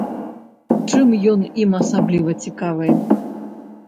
Чым ён ім асабліва цікавы?